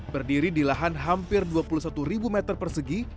berdiri di lahan hampir dua puluh satu meter persegi